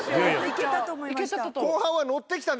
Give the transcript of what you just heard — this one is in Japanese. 行けたと思いました。